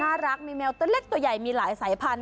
น่ารักมีแมวตัวเล็กตัวใหญ่มีหลายสายพันธ